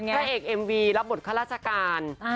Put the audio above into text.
พระเอกเอ็มวีรับบทข้าราชการ